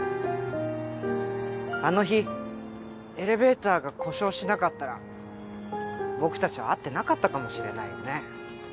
あの日エレベーターが故障しなかったら僕たちは会ってなかったかもしれないよね。